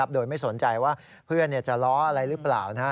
โดยไม่สนใจว่าเพื่อนจะล้ออะไรหรือเปล่า